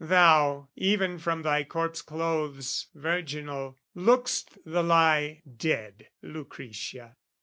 Thou, even from thy corpse clothes virginal, Look'st the lie dead, Lucretia!